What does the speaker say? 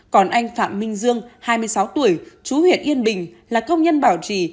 còn anh phạm minh dương hai mươi sáu tuổi chú huyện yên bình là công nhân bảo trì